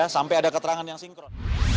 sampai ada keterangan yang sinkron